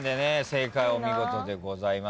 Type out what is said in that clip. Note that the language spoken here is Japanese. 正解お見事でございます。